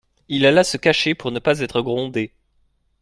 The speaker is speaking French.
Il alla se cacher pour ne pas être grondé.